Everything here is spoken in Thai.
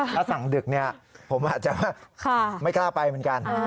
ถ้าสั่งดึกผมอาจจะว่าไม่กล้าไปเหมือนกัน